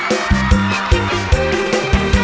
จะทำยังไง